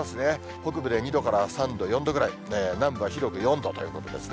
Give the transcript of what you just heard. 北部で２度から３度、４度ぐらい、南部は広く４度ということですね。